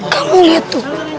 kamu lihat tuh